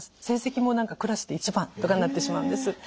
成績も何かクラスで１番とかになってしまうんです。